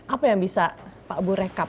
apa yang bisa pak bu rekap